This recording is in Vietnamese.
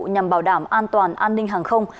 nhằm bảo đảm an toàn an ninh hàng không